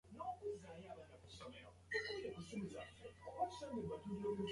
While Constantine was distracted by this, the Slavs unsuccessfully attacked Thessalonika.